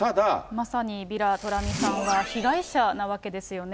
まさにヴィラトラミさんは、被害者なわけですよね。